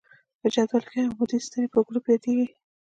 په جدول کې عمودي ستنې په ګروپ یادیږي.